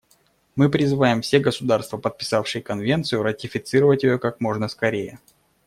Мы призываем все государства, подписавшие Конвенцию, ратифицировать ее как можно скорее.